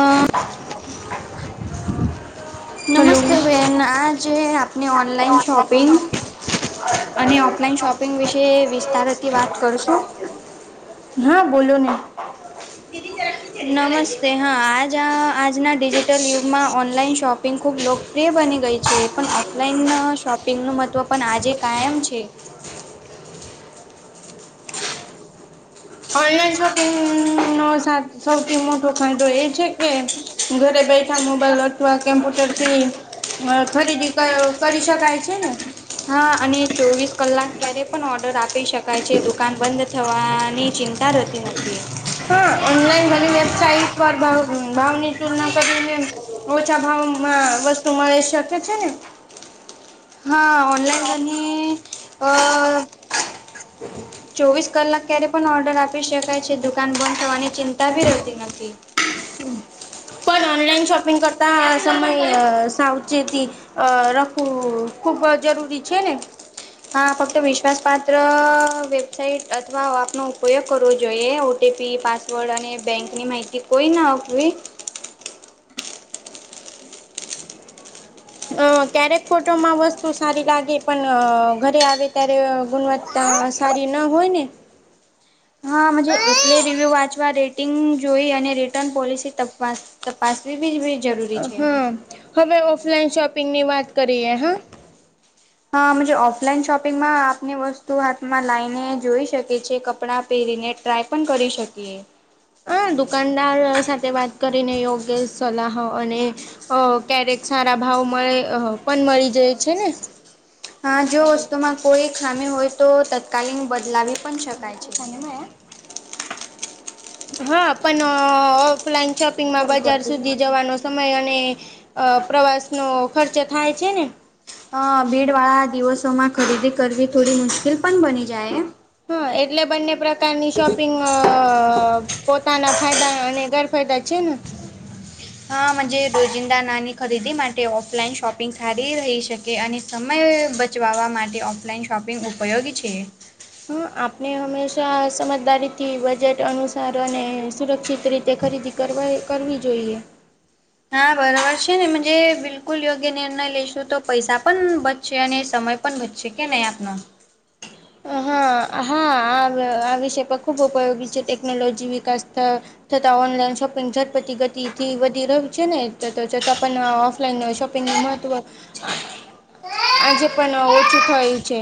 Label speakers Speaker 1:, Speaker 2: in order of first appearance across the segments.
Speaker 1: અ [inaudible]
Speaker 2: hello
Speaker 1: નમસ્તે બેન આજે આપને ઓનલાઇન શોપિંગ અને ઓફલાઈન શોપિંગ વિશે વિસ્તારથી વાત કરશું
Speaker 2: હા બોલો ને
Speaker 1: નમસ્તે હા આજ આજ ના ડિજ઼ી ટલ યુગમાં ઓનલાઈન શોપિંગ ખૂબ લોકપ્રિય બની ગઈ છે પણ ઓફલાઈન શોપ તેમ નુ મહત્ત્વ પણ આજે કાયમ છે
Speaker 2: ઓનલાઈન શોપિંગ હમ્મ નો સૌથી મોટો ફાયદો એ છે કે ઘરે બેઠા મોબાઈલ અથવા કમ્પ્યુટર થી અ ખરીદી ક કરી શકાય છે ને
Speaker 1: હા અને ચોવીસ કલાક ક્યારે પણ ઓર્ડર આપી શકાય છે દુકાન બંધ થવાની ચિંતા રહેતી નથી.
Speaker 2: હા ઓનલાઈન ઘણી વેબસાઇટ પર ભા ભાવની તુલના કરીને ઓછા ભાવમાં વસ્તુ મળે શકે છે ને
Speaker 1: હા ઓનલાઈન લની
Speaker 2: [inaudible]
Speaker 1: ચોવીસ કલાક ક્યારે પણ ઓર્ડર આપી શકાય છે દુકાન બંધ થવાની ચિંતા બી રહેતી નથી.
Speaker 2: પણ ઓનલાઈન શોપિંગ કરતા સમય અ સાવચેતી રખવું ખૂબ અ જરૂરી છે ને.
Speaker 1: [inaudible] હા ફક્ત વિશ્વાસપાત્ર વેબસાઇટ અથવા આપનો ઉપયોગ કરવો જોઈએ O T P password અને બેંકની માહિતી કોઈ ને આપવી
Speaker 2: અ ક્યારેક ફોટોમાં વસ્તુ સારી લાગે પણ ઘરે આવે ત્યારે ગુણવત્તા પણ સારી ના હોય ને.
Speaker 1: હા મજે એટલે રિવ્યૂ વાંચવા રેટિંગ જોઈ અને રિટર્ન પોલિસી તપાસ તપાસવી બી જરૂરી છે.
Speaker 2: હ હવે ઓફલાઈન શોપિંગની વાત કરીએ હ
Speaker 1: હા અમજ ઓફલાઈન શોપિંગમાં આપની વસ્તુ હાથમાં લાઈને જોઈ શકીએ છે કપડાં પેરીને ત ટ્રાય પણ કરી શકીએ.
Speaker 2: હા દુકાનદાર સાથે વાત કરીને યોગ્ય સલાહ હો અને અ ક્યારેક સારા ભાવ મળે પણ મળી જાય છે ને.
Speaker 1: હા જો વસ્તુમાં કોઈ ખામી હોય તો તત્કાલીન બદલાવી પણ શકાય છે.
Speaker 2: હા પણ અ ઓફલાઈન શોપિંગમાં
Speaker 1: ફોન કર
Speaker 2: બજાર
Speaker 1: દેજે.
Speaker 2: સુધી જવાનુ સમય અને અ પ્રવાસનો ખર્ચ થાય છે ને.
Speaker 1: અ ભીડવાળા દિવસોમાં ખરીદી કરવી થોડી મુશ્કેલ પણ બની જાય એમ.
Speaker 2: હ એટલે બંને પ્રકારની શોપિંગ અ અ પોતાના ફાયદા અને ગેરફાયદા છે ને.
Speaker 1: હા મજે રોજિંદા નાની ખરીદી માટે ઓફલાઈન શોપિંગ સારી રહી છે. કે અને સમય બચાવવા માટે ઓફલાઈન શોપિંગ ઉપયોગી છે.
Speaker 2: હ આપને હંમેશા સમજદારીથી બજેટ અનુસાર અને સુરક્ષિત રીતે ખરીદી કરવાએ કરવી જોઈએ.
Speaker 1: હા બરાબર છે ને એમ જે બિલકુલ યોગ્ય નિર્ણય લઈશું તો પૈસા પણ બ છે અને સમય પણ વધશે કે નહીં આપનો.
Speaker 2: અહા હા હા આ વિષે પ ખૂબ ઉપયોગી છે ટેકનોલોજી વિકાસ ત થતા ઓનલાઈન શોપિંગ ઝટપતિ ગતિથી વધી ર છે ને તો તો છતાં પણ ઓફલાઈન શોપિંગ નું મહત્વ [inaudible] આજે પણ ઓછું થયું છે.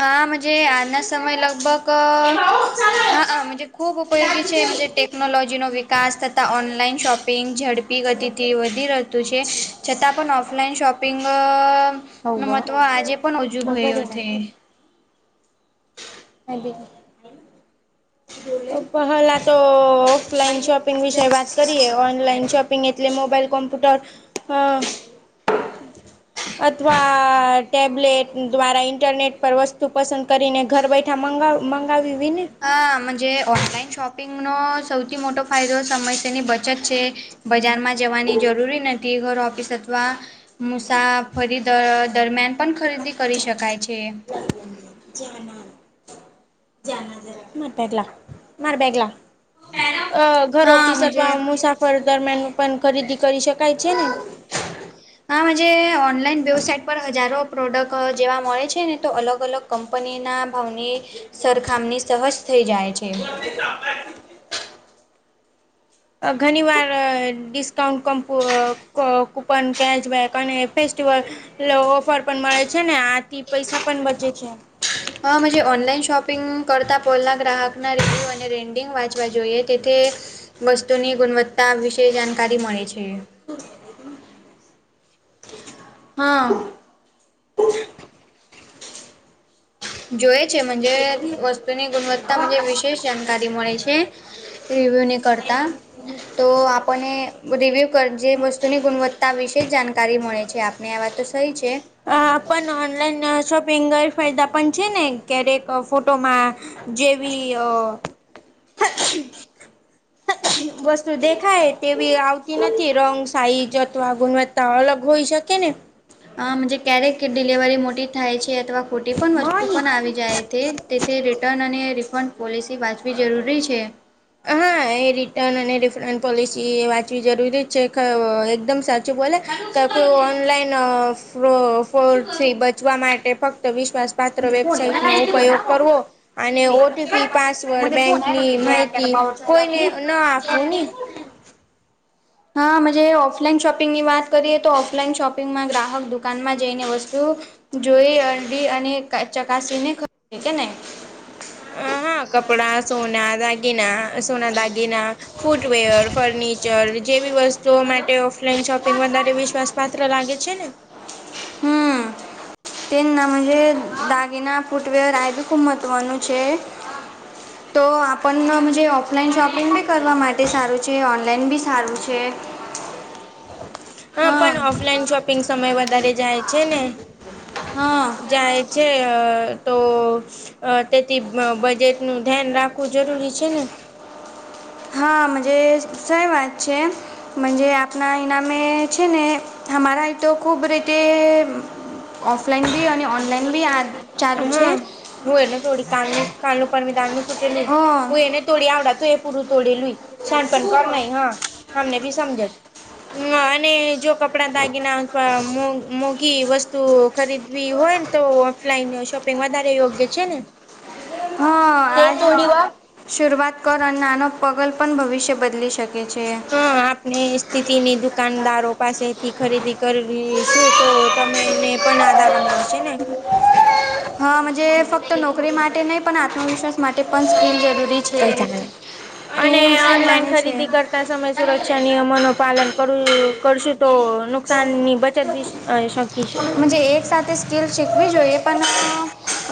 Speaker 1: હા મુજે આના સમય લગભગ અ હ હા મુજે ખૂબ ઉપયોગી છે મજે ટેકનોલોજીનો વિક કાસ થતા ઓનલાઈન શોપિંગ ઝડપી ગતિથી વધી રહતું છે છતાં પણ ઓફલાઈન શોપ પિંગ અ
Speaker 2: હવ
Speaker 1: નું મહત્વ આજે પણ ઓજું ભયું થે
Speaker 2: પહલા તો ઓફલાઈન શોપ શોપિંગ વિશે વાત કરીએ ઓનલાઈન શોપિંગ એટલે મોબાઈલ કોમ્પ્યુટર અ અથવા ટેબલેટ દ્વારા ઇન્ટરનેટ પર વસ્તુ પસંદ કરીને ઘર બે ઠા મંગાવ મંગાવીવીને
Speaker 1: હા મજે ઓનલાઈન શોપિંગનો સૌથી મોટો ફાયદો સમયસરની બચત છે. બજારમાં જવાની જરૂરી ને [unintelligible] ઘર ઓફિસ અથવા મુસાફરી દ દરમિયાન પણ ખરીદી કરી શકાય છે.
Speaker 2: માર બેગ લા માર બેગલા અ ઘર ઓફિસ અથવા મુસાફર દરમિયાન પણ ખરીદી કરી શકાય છે ને.
Speaker 1: [inaudible] હા મજે ઓનલાઈન વેબસાઇટ પર હજારો પ્રોડક્ટ જેવા મળે છે ને તો અલગ અલગ કંપનીના ભાવની સરખામણી સહજ થઈ જાય છે [inaudible]
Speaker 2: ઘનીવાર ડિસ્કાઉન્ટ, કમ્પ અ ક કૂપન [unintelligible] ને ફેસ્ટિવલ લો ઓફર પણ મળે છે ને આથી પૈસા પણ બચે છે.
Speaker 1: હા અમે જે ઓનલાઈન શોપિંગ કરતાં પેલા ગ્રાહકના રીવ્યૂ અને રેન્ડિંગ વાંચવા જોઈએ તેથી એ વસ્તુની ગુણવત્તા વિશે જાણકારી મળે છે.
Speaker 2: શું એ રેટિંગ
Speaker 1: હા. જોએ છે મન્જે વસ્તુની ગુણવત્તા [unintelligible] વિશેષ જાણકારી મળે છે. રીવ્યુ ને કરતા. તો આપણે રિવ્યૂ કર જે વસ્તુની ગુણવત્તા વિશે જાણકારી મળે છે આ ને આ વાતો સહી છે.
Speaker 2: હા પણ ઓનલાઈન શોપિંગ ગરફાયદા પણ છે ને ક્યારેક ફોટોમાં જેવી અ વસ્તુ દેખાય તેવી આવતી નથી રંગ, સાઈજ તો આ ગુણવત્તા અલગ હોઈ શકે ને?
Speaker 1: આમ જે ક્યારેક ડિલિવરી મોટી થાય છે અથવા ખોટી પણ વસ્તુ પણ આવી જાય તે તેથી રિટર્ન અને રિફંડ પોલિસી વાંચવી જરૂરી છે.
Speaker 2: હા એ રિટર્ન અને રીફ્રેન પોલિસી વાંચવી જરૂરી જ છે [unintelligible] એકદમ સાચું બોલે કાકો ઓનલાઈન અ ફ્રો ફોડથી બચવા માટે ફક્ત વિશ શ્વાસ પાત્ર
Speaker 1: મને ફોન
Speaker 2: વેબસાઇટ નો
Speaker 1: આવ્યો
Speaker 2: ઉપયોગ કરવો અને ઓ. ટી. થી, પાસવર્ડ, બેંકની માહિ
Speaker 1: તેનોભાવ ઓછો હોય ત્યાંથી [inaudible] હા મજે ઓફલાઈન શોપિંગની વાત કરીએ તો ઓફલાઈન શોપિંગમાં ગ્રાહક દુકાનમાં જઈને વસ્તુ જોઈ અંડી અને ચકાસીને ખ કેને.
Speaker 2: અ હા કપડા, સોના, દાગીના, સોના દાગીના, ફૂટવેર, ફર્નિચર ચર જેવી વસ્તુઓ માટે ઓફલાઈન શોપિંગ વધારે વિશ્વાસ પાત્ર લાગે છે ને.
Speaker 1: તેમના એ દાગીના, ફૂટવેર આ બી ખૂબ મહત્વનું છે. તો આપણને જે ઓફલાઈન શોપિંગ બી કરવા માટે સારું છે, ઓનલાઈન બી સારું છે.
Speaker 2: હા પણ ઓફલાઈન શોપિંગ સમય વધારે જાય છે ને.
Speaker 1: હા.
Speaker 2: જાય છે તો અ તેથી બજેટ નું ધ્યાન રાખવું જરૂરી છે ને.
Speaker 1: હા મજે સઈ વાત છે. મજે આપના ઇનામે છે ને અમારા તો ખૂબ રીતે ઓફલાઈન બી અને ઓનલાઈન બી આ ચાલુ છે.
Speaker 2: કાનુ પરમીદાન નું સુટે લે
Speaker 1: હં
Speaker 2: હું એને [unintelligible] તોડી આવડા તું એ પૂરું તોડી લુઈ છેનપન ઘ નહી હા હમને ભી સમજાય. [unintelligible] હ અને જો કપડા, દાગીના અથ મો મોઘી વસ્તુઓ ખરીદવી હોય ને તો ઓફલાઈન શોપિંગ વધારે યોગ્ય છે ને?
Speaker 1: હં
Speaker 2: તો
Speaker 1: આજ બી
Speaker 2: થોડી વાર
Speaker 1: શરૂઆત કર અને નાનો પગલ પણ ભવિષ્ય બદલી શક
Speaker 2: હ આપને સ્થિતિની દુકાનદારો પાસેથી ખરીદી કરીશું તો તમેને કોને આધારમાં હો છે ને [unintelligible]
Speaker 1: હા મજે ફક્ત નોકરી માટે નહી પણ આત્મવિશ્વાસ માટે પણ સ્કીલ જરૂરી છે.
Speaker 2: કઈ ચાલે અને
Speaker 1: તું શું માની છે?
Speaker 2: નિયમો નું પાલન કર કરશું તો નુકસાન ની બચત બી શકીશું ને?
Speaker 1: તે એક સાથે સ્કીલ શીખવી જોઈએ પણ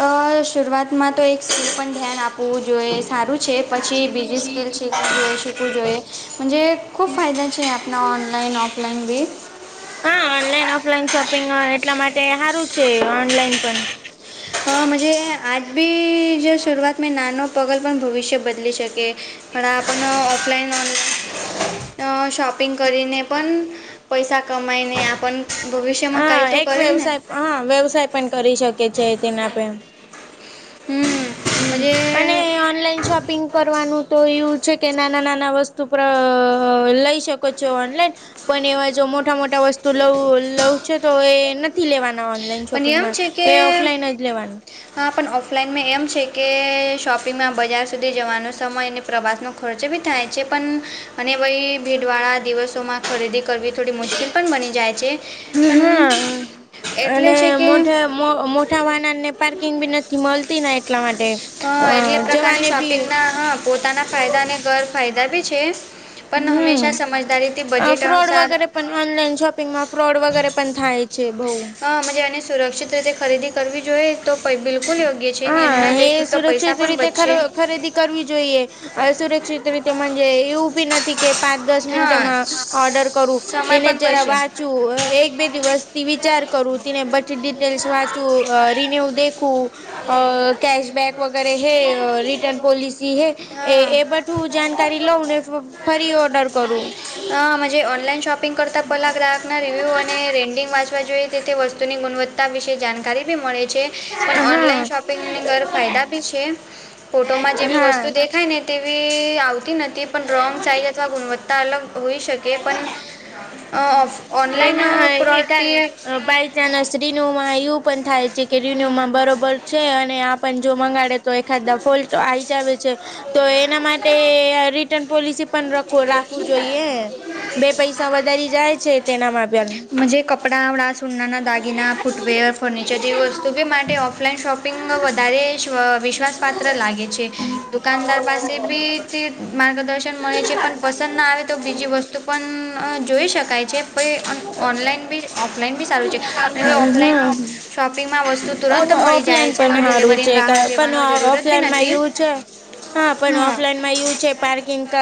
Speaker 1: અ શરૂઆતમાં તો એક શું પણ ધ્યાન આપવું જોઈએ સારું છે પછી બીજી સ્કેલ છે તે શિકવુ જોઈએ મન જે ખૂબ ફાયદા છે આપણા ઓનલાઈન ઓફલાઈન બી.
Speaker 2: હા ઓનલાઈન ઓફલાઈન શોપિંગ એટલા માટે સારું છે ઓનલાઈન પણ
Speaker 1: હ આજ બી જો શરૂઆત મે નાનો પગલ પણ ભવિષ્ય બદલી શકે પણણા આપણ ઓફલાઇન ઓનલાઇન શોપિંગ કરીને પણ પૈસા કમાઈને આપણ ભવિષ્યમાં કંઈ
Speaker 2: હા
Speaker 1: તો
Speaker 2: એક
Speaker 1: કરીને
Speaker 2: વ્યવસાય હા વ્યવસાય પણ કરી શકે છે તેને આપે
Speaker 1: હ મજે
Speaker 2: અને ઓનલાઈન શોપિંગ કરવાનું તો એવું છે કે નાના નાના વસ્તુ લઈ શક ઓનલાઈન પણ એવા જો મોટા મોટા વસ્તુ તું લવ લઉં છે તો એ નથી લેવાના ઓનલાઈન
Speaker 1: પણ એમ
Speaker 2: શોપિંગમાં
Speaker 1: છે કે
Speaker 2: એ ઓફલાઈન જ લેવાનું
Speaker 1: હા પણ ઓફલાઈનમાં એમ છે કે શોપિંગમાં બજાર સુધી જવાનો સમય અને પ્રવાસનો ખર્ચ બી થાય છે પણ અને ભઈ ભીડવાળા દિવસોમાં ખરીદી કરવી થોડી મુશ્કેલ પણ બની જાય છે પણ
Speaker 2: હા
Speaker 1: એટલે
Speaker 2: અને
Speaker 1: છે કે
Speaker 2: મો મોટા વાહન ને પાર્કિંગ બી નથી મળતી એટલા માટે
Speaker 1: હા
Speaker 2: અ
Speaker 1: એટલે પ્રકારની
Speaker 2: જવાને બી
Speaker 1: શોપિંગ ના હ પોતાના ફાયદાને ગેરફાયદા બી છે પણ
Speaker 2: હમ
Speaker 1: હંમેશા સમજદાર
Speaker 2: ફ્રોડ વગેરે પણ ઓનલાઈન શોપિંગમાં ફ્રોડ વગેરે પણ થાય છે બઉુ
Speaker 1: હજ એને સુરક્ષિત રીતે ખરીદી કરવી જોઈએ તો બિલકુલ યોગ્ય છે એ
Speaker 2: હા
Speaker 1: નિર્ણય
Speaker 2: એ
Speaker 1: લઈેશું
Speaker 2: સુરક્ષિત રીતે ખરીદી કરવી જોઈએ સુરક્ષિત રીતે મજે એવું બી નથી થી કે પાંચ દસ
Speaker 1: હા
Speaker 2: મિનિટમાં ઓર્ડર કરું
Speaker 1: સમય
Speaker 2: તેને
Speaker 1: પણ
Speaker 2: જરા
Speaker 1: બચશે
Speaker 2: વા એક બે દિવસ થી વિચાર કરું તેને બધી ડિટેલ્સ વાંચું રિન્યુ દેખું અ કશબેક વગેરે હૈ રિટર્ન પૉલિસી હૈ
Speaker 1: હા
Speaker 2: એ એ બધું જાણકારી લઉં ને ફરી ઓર્ડર
Speaker 1: હ
Speaker 2: કરું
Speaker 1: [inaudible] મ જે ઓનલાઈન શોપિંગ કરતાં પલાં ગ્રાહકના રિવ્યૂ અને રેન્ડિંગ વાંચવા જોઈએ તેથી વસ્તુની ગુણવત્તા તા વિશેે જાણકારી બી મળે છે પણ ઓનલાઈન
Speaker 2: હા
Speaker 1: શોપિંગની ઘર ફાયદા બી છે ફોટોમાં જે બી
Speaker 2: હા
Speaker 1: વસ્તુ દેખાય ને તેવી આવતી નથીપણ રોંગ સાઇઝ અથવા ગુણવત્તા અલગ હોઈ શકે ઓ પણ ઓનલાઈન પ્રો
Speaker 2: ત્યાના સ્્રીનુંમાં એવું પણ થાય છે કે રિનમાં બરોબર છે અને આ જો મંગાડે તો એખાદ ફોલ તો આ આવી જ આવે છે તો એના માટે રિટર્ન પોલિસી પણ રાખવું જોઈએ બે પૈસા વધારી જાય છે તેનામાં્યાન
Speaker 1: કપડાંડાં સુનાના દાગીના ફૂટવેર ફર્નિચર જેવી વસ્તુ બી માટે ઓ ઓફલાઈન શોપિંગ વધારે વિશ પાત્ર લાગે છે દુકાનદાર પાસે ભી માર્ગદર્શન મળે છે પણ પસંદ ના આવે તો બીજી વસ્તુ પણ જોઈ શકાય છે પ ઓનલાઈન બી ઓફલાઈન બી સારું છે અને ઓફલાઈન
Speaker 2: હમ
Speaker 1: શોપિંગમાં વસ્તુ તુરંત મળી જાય છે હવે ડિલિવરીની રાહ જેવાનો
Speaker 2: ઓફલાઈન માં એું છે હા પણ ઓફલાઈન માં આવું છે પાર્કિંગ ક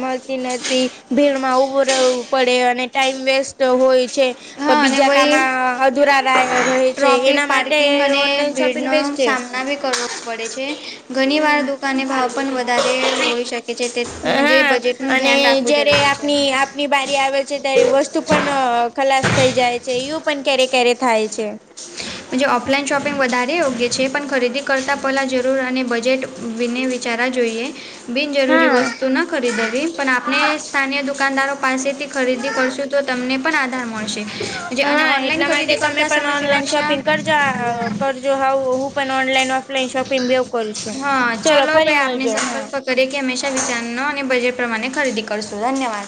Speaker 2: મળતી નથી ભીડમાં ઉઊભું રહેવું પડે અને ટાઈઇમ વેસ્ટ હોય છે
Speaker 1: હા અને
Speaker 2: બીજા કામ
Speaker 1: વળી
Speaker 2: અધુરા રહે છે
Speaker 1: ટ્રાફિક
Speaker 2: એના માટે
Speaker 1: પાર્કિંગ અને
Speaker 2: ઓનલાઈન શોપિંગ
Speaker 1: ભીડનો
Speaker 2: બેસ્ટ છે
Speaker 1: સામના બી કરવો પડે છે ઘણી વાર
Speaker 2: હમ
Speaker 1: દુકાને ભાવ પણ વધારે હોઈ શકે
Speaker 2: હા
Speaker 1: બજેટ નું ધ્યાન
Speaker 2: અને
Speaker 1: રાખવું
Speaker 2: જયારે
Speaker 1: જરૂરી છે
Speaker 2: આપની આપની બારી આવે છે ત્યારે વસ્તુ પણ ખલાસ થઈ જાય છે ું પણ ક્યારે ક્યારે થાય છે
Speaker 1: ઓફલાઈન શોપિંગ વધારે યોગ્ય છે પણ ખરીદી કરતાં પહેલાં જરૂર અને બજેટ વિને વિચારા જોઈએ બિનજરૂરી
Speaker 2: હા
Speaker 1: વસ્તુ ન ખરીદવી પણ આપણે સ્થાય દુકાનદારો પાસેથી ખરીદી કરશું તો તમને પણ આધાર મળશે જે અને
Speaker 2: હા
Speaker 1: ઓનલાઈન
Speaker 2: એટલા માટે
Speaker 1: ખરીદી
Speaker 2: તમે
Speaker 1: કરતા
Speaker 2: પણ
Speaker 1: સમય
Speaker 2: ઓનલાઈન
Speaker 1: સુરક્ષા
Speaker 2: શોપિંગ કરજો કરજો હું હું પણ ઓનલાઈન ઓફલાઈન શોપિંગ બવ કરી છે ચાલ ફરી મળજો હા
Speaker 1: દરેકે હંમેશા વિચારનો અને બજેટ પ્રમાણે ખરીદી કરશું ધન્યવાદ